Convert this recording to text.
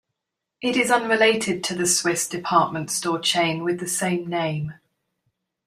It is unrelated to the Swiss department store chain with the same name.